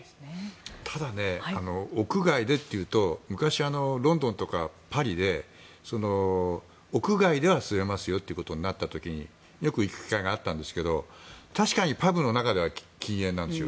ただ、屋外でというと昔、ロンドンとかパリで屋外では吸えますよとなった時によく行く機会があったんですが確かにパブの中では禁煙なんですよ。